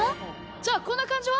じゃあこんな感じは？